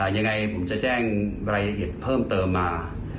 ยังไงผมจะแจ้งรายละเอียดเพิ่มเติมมา